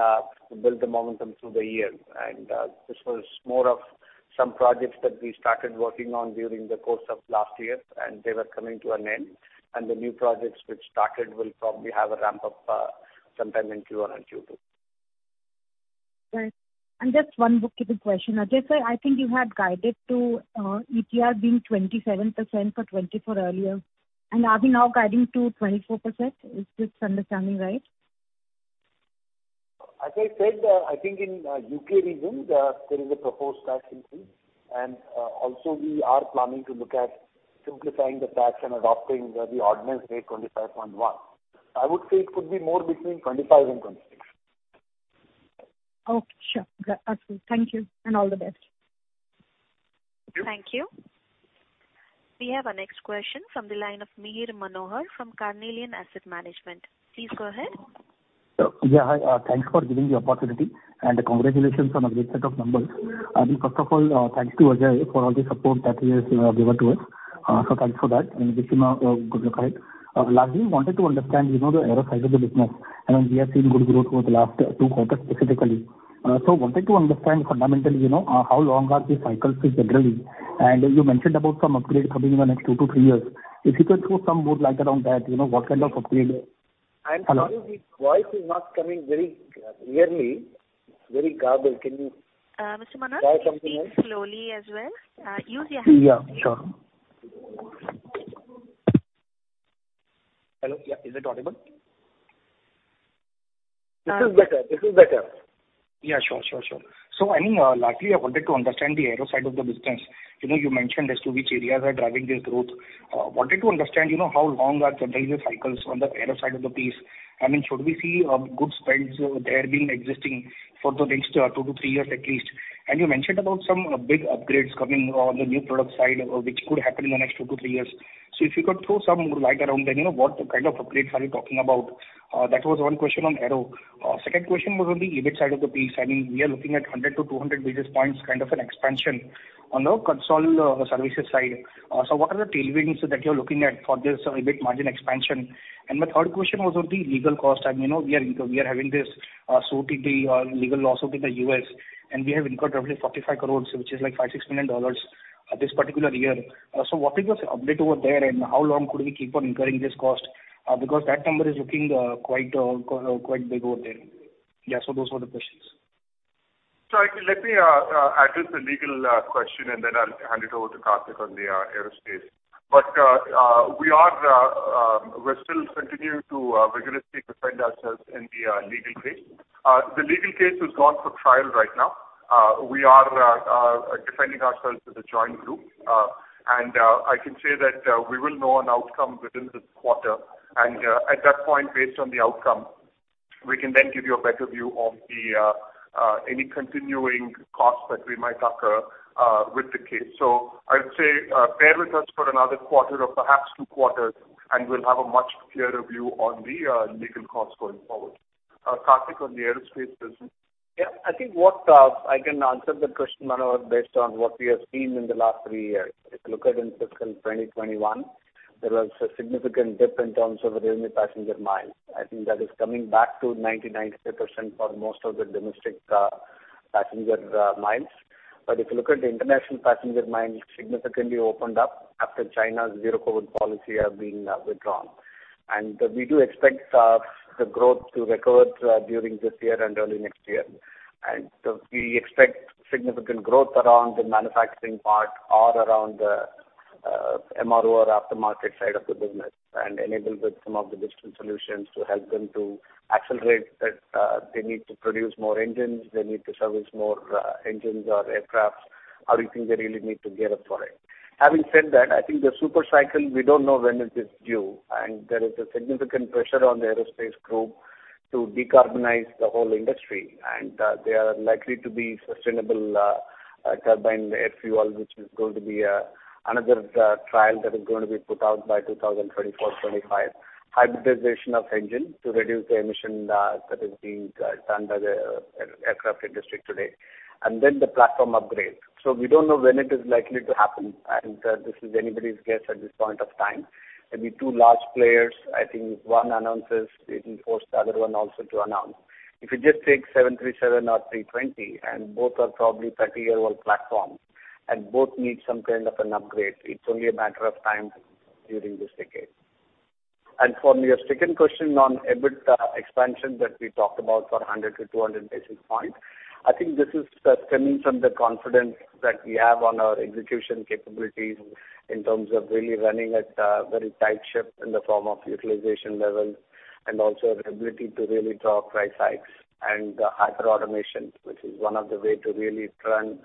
Speaker 4: build the momentum through the year. This was more of some projects that we started working on during the course of last year, and they were coming to an end. The new projects which started will probably have a ramp up sometime in Q1 and Q2.
Speaker 8: Right. Just one bookkeeper question. Ajay, sir, I think you had guided to ETR being 27% for 2024 earlier, are we now guiding to 24%? Is this understanding right?
Speaker 3: As I said, I think in U.K. region, there is a proposed tax increase. Also we are planning to look at simplifying the tax and adopting the ordinance rate 25.1%. I would say it could be more between 25% and 26%.
Speaker 8: Okay, sure. Got that. Thank you and all the best.
Speaker 3: Thank you.
Speaker 1: Thank you. We have our next question from the line of Mihir Manohar from Carnelian Asset Management. Please go ahead.
Speaker 9: Yeah, hi. Thanks for giving the opportunity and congratulations on a great set of numbers. First of all, thanks to Ajay for all the support that he has, given to us. Thanks for that. Krishna, good luck. Lastly, wanted to understand, you know, the aero side of the business. I mean, we have seen good growth over the last two quarters specifically. Wanted to understand fundamentally, you know, how long are these cycles generally? You mentioned about some upgrades coming in the next two to three years. If you could throw some more light around that, you know, what kind of upgrade-
Speaker 4: I'm sorry, the voice is not coming very clearly. Very garbled. Can you-
Speaker 1: Mr. Manohar.
Speaker 4: Try something else?
Speaker 1: Speak slowly as well. Use your hands.
Speaker 9: Yeah, sure. Hello? Yeah. Is it audible?
Speaker 4: This is better. This is better.
Speaker 9: Yeah, sure. Sure, sure. I mean, lastly, I wanted to understand the aero side of the business. You know, you mentioned as to which areas are driving this growth. Wanted to understand, you know, how long are generally the cycles on the aero side of the piece. I mean, should we see good spends there being existing for the next 2-3 years at least? You mentioned about some big upgrades coming on the new product side, which could happen in the next 2-3 years. If you could throw some more light around then, you know, what kind of upgrades are you talking about? That was one question on aero. Second question was on the EBIT side of the piece. I mean, we are looking at 100-200 basis points kind of an expansion on the consol services side. What are the tailwinds that you're looking at for this EBIT margin expansion? My third question was on the legal cost. You know, we are having this suit, the legal lawsuit in the U.S., and we have incurred roughly 45 crore, which is like $5 million-$6 million this particular year. What is your update over there, and how long could we keep on incurring this cost? Because that number is looking quite big over there. Yeah, those were the questions.
Speaker 3: I think let me address the legal question, and then I'll hand it over to Karthik on the aerospace. We are we're still continuing to vigorously defend ourselves in the legal case. The legal case is gone for trial right now. We are defending ourselves with a joint group. I can say that we will know an outcome within this quarter. At that point, based on the outcome, we can then give you a better view of the any continuing costs that we might occur with the case. I'd say bear with us for another quarter or perhaps two quarters, and we'll have a much clearer view on the legal costs going forward. Karthik on the aerospace business. Yeah.
Speaker 4: I think what I can answer the question, Manohar, based on what we have seen in the last three years. If you look at in fiscal 2021, there was a significant dip in terms of revenue passenger miles. I think that is coming back to 90-92% for most of the domestic passenger miles. If you look at the international passenger miles, significantly opened up after China's Zero-COVID policy have been withdrawn. We do expect the growth to recover during this year and early next year. We expect significant growth around the manufacturing part or around the MRO or aftermarket side of the business, and enabled with some of the digital solutions to help them to accelerate that, they need to produce more engines, they need to service more engines or aircraft. How do you think they really need to gear up for it? Having said that, I think the super cycle, we don't know when it is due, and there is a significant pressure on the aerospace group to decarbonize the whole industry, and they are likely to be Sustainable Aviation Fuel, which is going to be another trial that is going to be put out by 2024-2025. Hybridization of engine to reduce the emission that is being done by the aircraft industry today. Then the platform upgrade. We don't know when it is likely to happen, and this is anybody's guess at this point of time. Maybe two large players, I think one announces, it will force the other one also to announce. If you just take 737 or 320, both are probably 30-year-old platform and both need some kind of an upgrade, it's only a matter of time during this decade. From your second question on EBIT expansion that we talked about for 100 to 200 basis points, I think this is stemming from the confidence that we have on our execution capabilities in terms of really running at a very tight ship in the form of utilization levels and also the ability to really drive price hikes and hyperautomation, which is one of the way to really run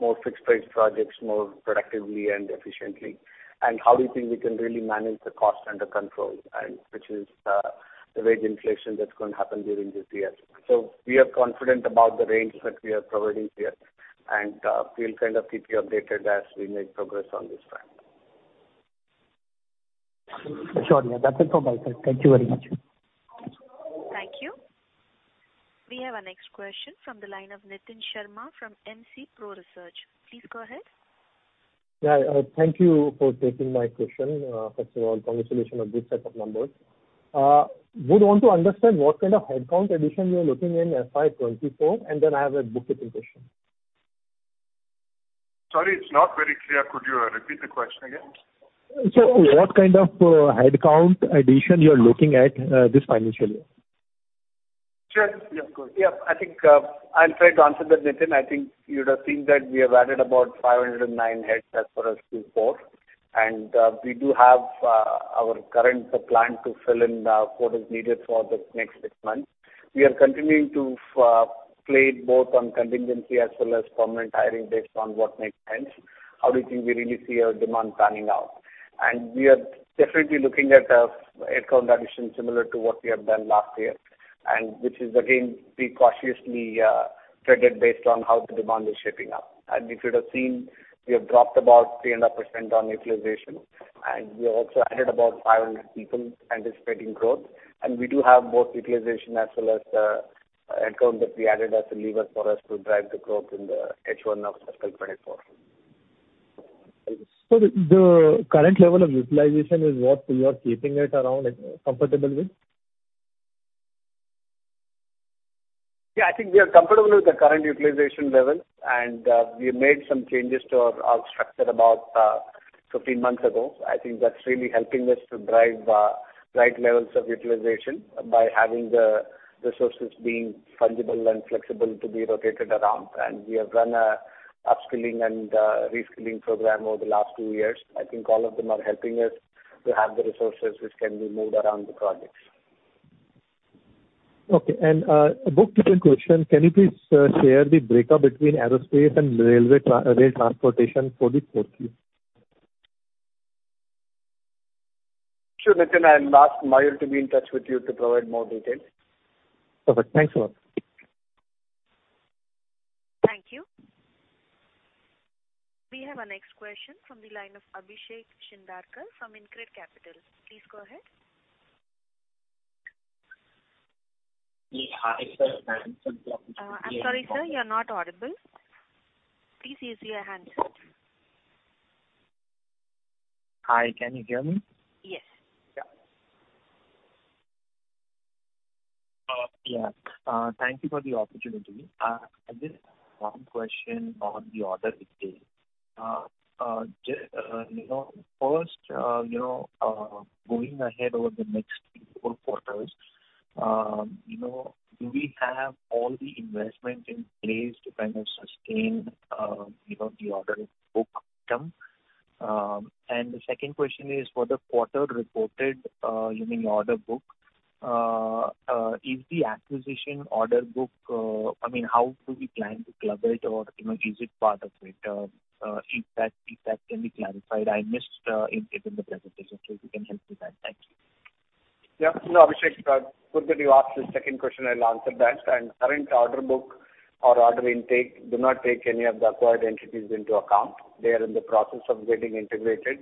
Speaker 4: more fixed-price projects more productively and efficiently. How we think we can really manage the cost under control and which is the wage inflation that's going to happen during this year. We are confident about the range that we are providing here, and, we'll kind of keep you updated as we make progress on this front.
Speaker 7: Sure, yeah. That's it from my side. Thank you very much.
Speaker 1: Thank you. We have our next question from the line of Nitin Sharma from MCPro Research. Please go ahead.
Speaker 10: Thank you for taking my question. First of all, congratulations on good set of numbers. Would want to understand what kind of headcount addition you're looking in FY 2024, and then I have a bookkeeping question.
Speaker 4: Sorry, it's not very clear. Could you repeat the question again?
Speaker 10: What kind of headcount addition you're looking at this financial year?
Speaker 4: Sure. Yeah, of course. Yeah. I think I'll try to answer that, Nitin. I think you'd have seen that we have added about 509 heads as per Q4. We do have our current plan to fill in what is needed for the next six months. We are continuing to play both on contingency as well as permanent hiring based on what makes sense, how we think we really see our demand panning out. We are definitely looking at a headcount addition similar to what we have done last year, and which is again, we cautiously threaded based on how the demand is shaping up. If you'd have seen, we have dropped about 3.5% on utilization. We also added about 500 people anticipating growth. We do have both utilization as well as headcount that we added as a lever for us to drive the growth in the H1 of fiscal 2024.
Speaker 10: The current level of utilization is what you are keeping it around comfortable with?
Speaker 4: Yeah. I think we are comfortable with the current utilization level. We have made some changes to our structure about 15 months ago. I think that's really helping us to drive the right levels of utilization by having the resources being fungible and flexible to be rotated around. We have done a upskilling and reskilling program over the last two years. I think all of them are helping us to have the resources which can be moved around the projects.
Speaker 10: Okay. A bookkeeping question. Can you please share the breakup between Aerospace and rail transportation for the fourth year?
Speaker 4: Sure, Nitin. I'll ask Mayur to be in touch with you to provide more details.
Speaker 10: Perfect. Thanks a lot.
Speaker 1: Thank you. We have our next question from the line of Abhishek Chindarkar from InCred Capital. Please go ahead.
Speaker 11: Yeah. Hi, sir.
Speaker 1: I'm sorry, sir. You're not audible. Please use your handset.
Speaker 11: Hi, can you hear me?
Speaker 1: Yes.
Speaker 4: Yeah.
Speaker 11: Yeah. Thank you for the opportunity. I just have one question on the order detail. You know, first, you know, going ahead over the next three to four quarters, you know, do we have all the investment in place to kind of sustain, you know, the order book term? The second question is for the quarter reported, you mean order book, is the acquisition order book? I mean, how do we plan to club it or, you know, is it part of it? If that, if that can be clarified. I missed in the presentation, so if you can help with that. Thank you.
Speaker 4: Yeah. No, Abhishek, good that you asked the second question, I'll answer that. Current order book or order intake do not take any of the acquired entities into account. They are in the process of getting integrated.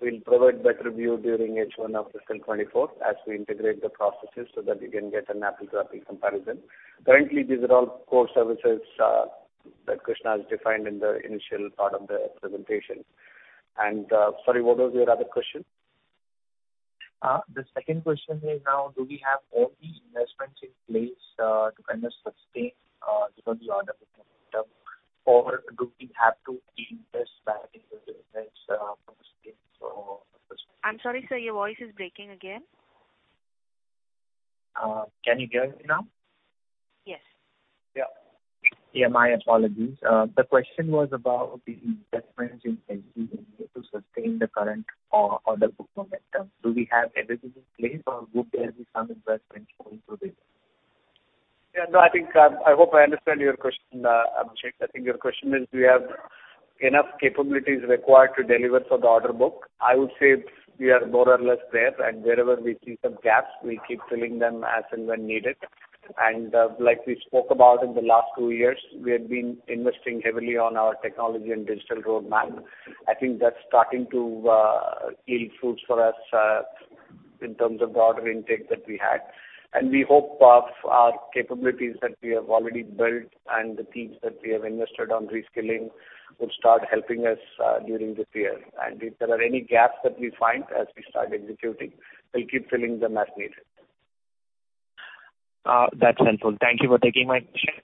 Speaker 4: We'll provide better view during H1 of fiscal 2024 as we integrate the processes so that we can get an apple-to-apple comparison. Currently, these are all core services, that Krishna has defined in the initial part of the presentation. Sorry, what was your other question?
Speaker 11: The second question is now do we have all the investments in place, to kind of sustain, you know, the order book term or do we have to invest back into the business, from the scale?
Speaker 1: I'm sorry, sir. Your voice is breaking again.
Speaker 11: Can you hear me now?
Speaker 1: Yes.
Speaker 4: Yeah.
Speaker 11: Yeah, my apologies. The question was about the investments in place we need to sustain the current order book momentum. Do we have everything in place or would there be some investment going through this?
Speaker 4: Yeah. No, I think, I hope I understand your question, Abhishek. I think your question is do we have enough capabilities required to deliver for the order book. I would say we are more or less there, and wherever we see some gaps, we keep filling them as and when needed. Like we spoke about in the last two years, we have been investing heavily on our technology and digital roadmap. I think that's starting to yield fruits for us in terms of the order intake that we had. We hope of our capabilities that we have already built and the teams that we have invested on reskilling would start helping us during this year. If there are any gaps that we find as we start executing, we'll keep filling them as needed.
Speaker 11: That's helpful. Thank you for taking my question.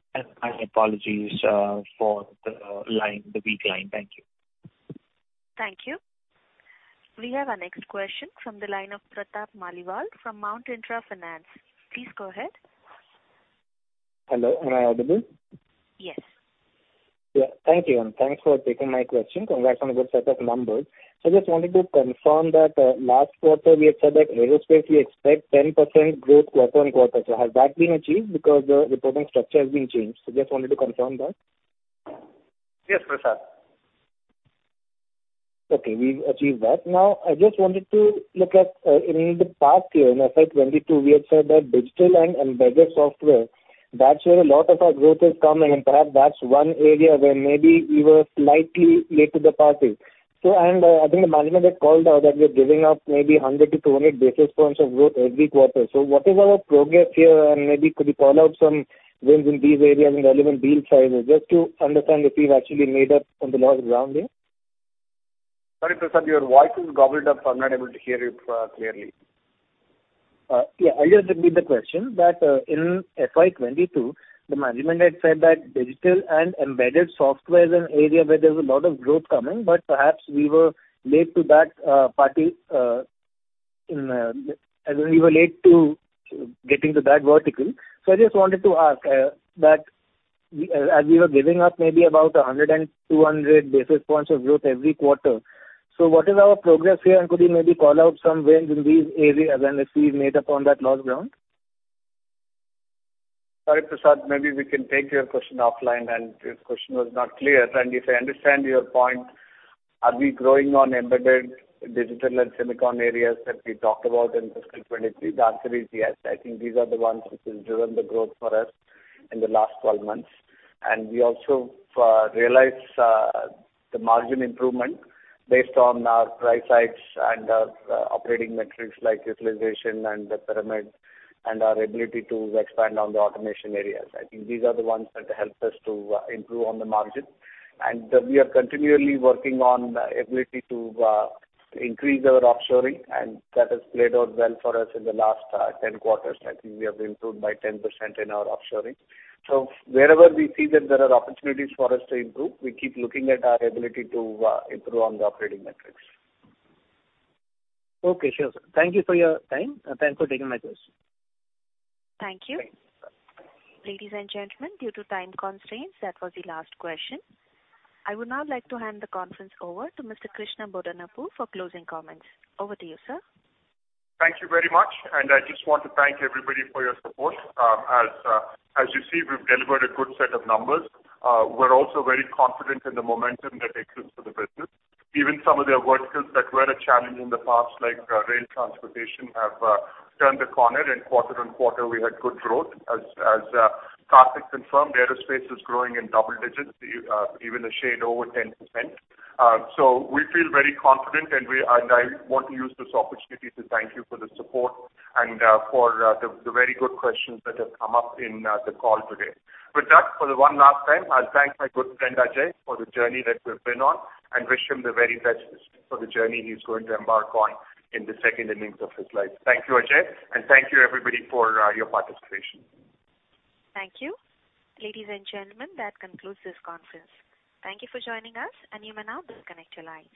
Speaker 11: My apologies for the weak line. Thank you.
Speaker 1: Thank you. We have our next question from the line of Pratap Maliwal from Mount Intra Finance. Please go ahead.
Speaker 12: Hello, am I audible?
Speaker 1: Yes.
Speaker 12: Yeah. Thank you. Thanks for taking my question. Congrats on a good set of numbers. I just wanted to confirm that, last quarter, we had said that aerospace, we expect 10% growth quarter-on-quarter. Has that been achieved? Because the reporting structure has been changed. Just wanted to confirm that.
Speaker 4: Yes, Pratap.
Speaker 12: Okay, we've achieved that. Now, I just wanted to look at, in the past year, in FY 2022, we had said that digital and embedded software, that's where a lot of our growth is coming, and perhaps that's one area where maybe we were slightly late to the party. I think the management had called out that we are giving up maybe 100 to 200 basis points of growth every quarter. What is our progress here? Maybe could you call out some wins in these areas and relevant deal sizes, just to understand if we've actually made up on the lost ground here.
Speaker 4: Sorry, Pratap. Your voice is gobbled up. I'm not able to hear you clearly.
Speaker 12: Yeah. I'll just repeat the question, that in FY 2022, the management had said that digital and embedded software is an area where there's a lot of growth coming, but perhaps we were late to that party, I mean, we were late to getting to that vertical. I just wanted to ask that as we were giving up maybe about 100-200 basis points of growth every quarter. What is our progress here? Could you maybe call out some wins in these areas and if we've made up on that lost ground?
Speaker 4: Sorry, Pratap. Maybe we can take your question offline. Your question was not clear. If I understand your point, are we growing on embedded digital and silicon areas that we talked about in fiscal 23? The answer is yes. I think these are the ones which has driven the growth for us in the last 12 months. We also realized the margin improvement based on our price hikes and our operating metrics like utilization and the pyramid and our ability to expand on the automation areas. I think these are the ones that helped us to improve on the margin. We are continually working on ability to increase our offshoring, and that has played out well for us in the last 10 quarters. I think we have improved by 10% in our offshoring. Wherever we see that there are opportunities for us to improve, we keep looking at our ability to improve on the operating metrics.
Speaker 12: Okay. Sure, sir. Thank you for your time and thanks for taking my question.
Speaker 1: Thank you. Ladies and gentlemen, due to time constraints, that was the last question. I would now like to hand the conference over to Mr. Krishna Bodanapu for closing comments. Over to you, sir.
Speaker 2: Thank you very much. I just want to thank everybody for your support. As you see, we've delivered a good set of numbers. We're also very confident in the momentum that exists for the business. Even some of the verticals that were a challenge in the past, like rail transportation, have turned a corner. Quarter-on-quarter, we had good growth. As Karthik confirmed, aerospace is growing in double digits, even a shade over 10%. We feel very confident, and I want to use this opportunity to thank you for the support and for the very good questions that have come up in the call today. With that, for the one last time, I'll thank my good friend Ajay for the journey that we've been on and wish him the very best for the journey he's going to embark on in the second innings of his life. Thank you, Ajay, and thank you everybody for your participation.
Speaker 1: Thank you. Ladies and gentlemen, that concludes this conference. Thank you for joining us, and you may now disconnect your lines.